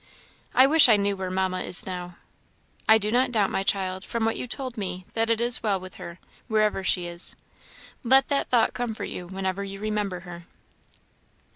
"I wish I knew where Mamma is now." "I do not doubt, my child, from what you told me, that it is well with her, wherever she is. Let that thought comfort you whenever you remember her."